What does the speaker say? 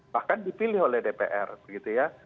bahkan dipilih oleh dpr begitu ya